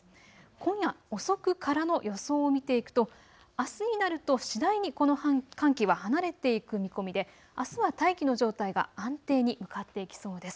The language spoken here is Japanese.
今夜遅くからの予想を見ていくとあすになると次第にこの寒気は離れて行く見込みであすは大気の状態が安定に向かっていきそうです。